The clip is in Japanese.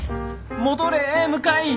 戻れ向井！